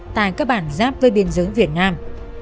tại các bản giáp với biên giới việt nam